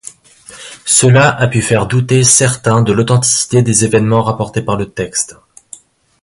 Cela a pu faire douter certains de l'authenticité des événements rapportés par le texte.